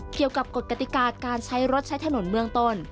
เกี่ยวกับกฎกติกาการใช้รถใช้ถนนเมืองต้น